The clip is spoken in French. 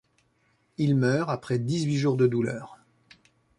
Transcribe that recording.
Il meurt après dix-huit jours de douleurs.